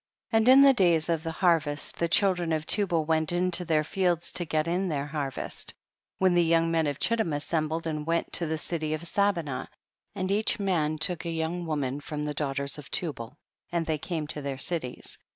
9. And in the days of harvest the children of Tubal went into their fields to get in their harvest, when the young men of Chittim assembled and went to the city of Sabinah, and each man took a young woman from the daughters of Tubal, and they came to their cities.